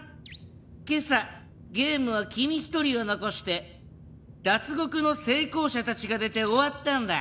今朝ゲームは君一人を残して脱獄の成功者たちが出て終わったんだ。